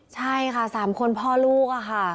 ใช่ค่ะ๓คนพ่อลูกค่ะ